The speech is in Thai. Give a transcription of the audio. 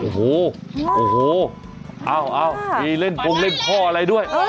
โอ้โฮโอ้โฮเอ้ามึงเล่นพ่ออะไรด้วย